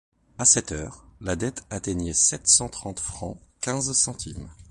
A cette heure, la dette atteignait sept cent trente francs quinze centimes.